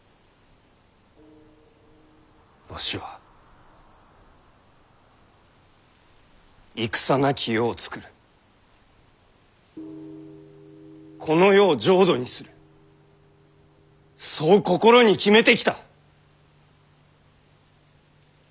わしは戦なき世を作るこの世を浄土にするそう心に決めてきた！